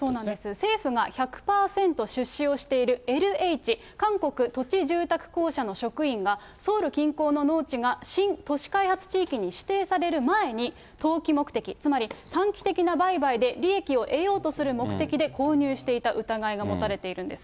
政府が１００％出資をしているＬＨ・韓国土地住宅公社の職員が、ソウル近郊の農地が新都市開発地域に指定される前に、投機目的、つまり短期的な売買で利益を得ようとする目的で購入していた疑いが持たれているんです。